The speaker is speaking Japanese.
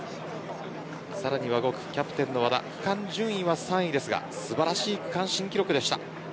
さらには５区、キャプテンの和田区間順位は３位ですが素晴らしい区間新記録でした。